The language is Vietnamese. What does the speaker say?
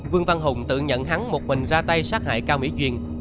vương văn hùng tự nhận hắn một mình ra tay sát hại cao mỹ duyên